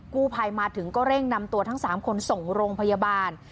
กู้ภัยมาถึงก็เร่งนำตัวทั้ง๓คนส่งโรงพยาบาล